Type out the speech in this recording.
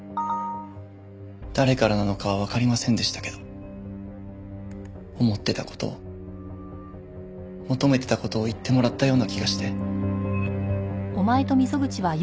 誰からなのかはわかりませんでしたけど思ってた事を求めてた事を言ってもらったような気がして。